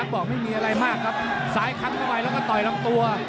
บอกไม่มีอะไรมากครับซ้ายคันเข้าไปแล้วก็ต่อยลำตัว